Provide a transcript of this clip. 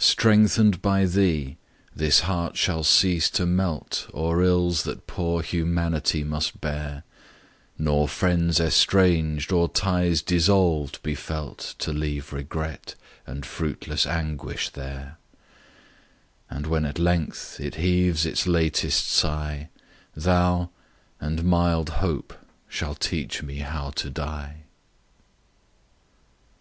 Strengthen'd by thee, this heart shall cease to melt O'er ills that poor humanity must bear; Nor friends estranged, or ties dissolved be felt To leave regret, and fruitless anguish there: And when at length it heaves its latest sigh, Thou and mild Hope shall teach me how to die.